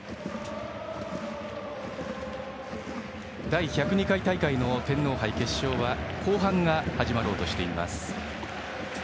第１０２回大会の天皇杯決勝は後半が始まろうとしています。